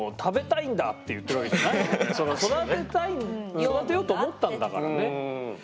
その育てたい育てようと思ったんだからね。